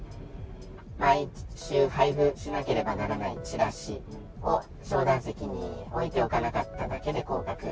毎週配布しなければならないチラシを商談席に置いておかなかっただけで降格。